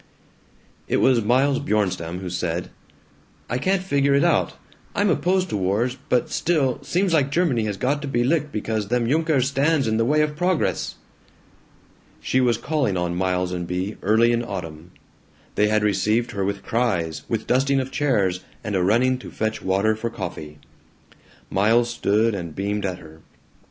It was Miles Bjornstam who said, "I can't figure it out. I'm opposed to wars, but still, seems like Germany has got to be licked because them Junkers stands in the way of progress." She was calling on Miles and Bea, early in autumn. They had received her with cries, with dusting of chairs, and a running to fetch water for coffee. Miles stood and beamed at her.